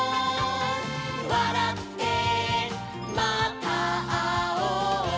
「わらってまたあおう」